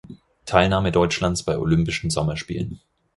Teilnahme Deutschlands bei Olympischen Sommerspielen.